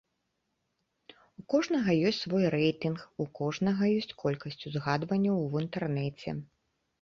У кожнага ёсць свой рэйтынг, у кожнага ёсць колькасць узгадванняў ў інтэрнэце.